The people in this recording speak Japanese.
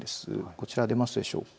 こちら出ますでしょうか。